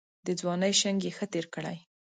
د ځوانۍ شنګ یې ښه تېر کړی.